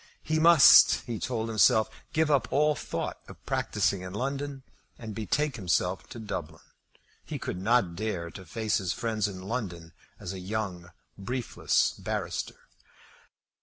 He must, he told himself, give up all thought of practising in London and betake himself to Dublin. He could not dare to face his friends in London as a young briefless barrister.